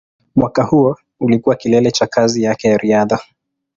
Mwaka huo ulikuwa kilele cha kazi yake ya riadha.